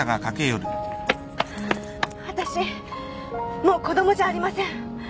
私もう子供じゃありません。